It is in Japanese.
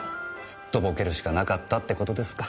すっとぼけるしかなかったって事ですか。